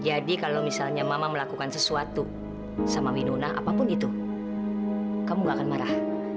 jadi kalau misalnya mama melakukan sesuatu sama winona apapun itu kamu gak akan marah